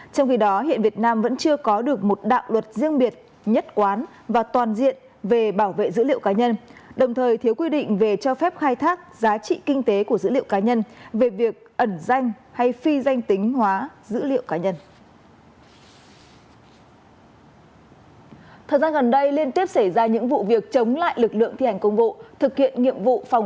trong khi đó hiện việt nam vẫn chưa có được một đạo luật riêng biệt nhất quán và toàn diện về bảo vệ dữ liệu cá nhân đồng thời thiếu quy định về cho phép khai thác giá trị kinh tế của dữ liệu cá nhân về việc ẩn danh hay phi danh tính hóa dữ liệu cá nhân